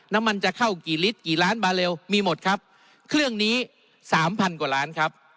น้ำมันจะเข้ากี่ลิตรกี่ล้านบาเร็วมีหมดครับเครื่องนี้สามพันกว่าล้านครับ